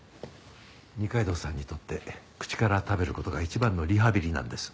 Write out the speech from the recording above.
二階堂さんにとって口から食べる事が一番のリハビリなんです。